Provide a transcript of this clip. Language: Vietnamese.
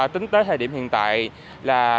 tính tới thời điểm hiện tại là